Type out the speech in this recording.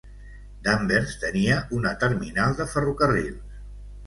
Danvers tenia una terminal de ferrocarrils.